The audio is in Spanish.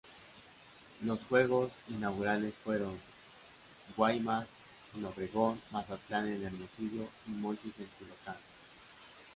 Los juegos inaugurales fueron: Guaymas en Obregón, Mazatlán en Hermosillo y Mochis en Culiacán.